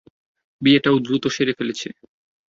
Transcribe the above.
বিয়েটাও বেশ দ্রুতই সেরে ফেলেছে!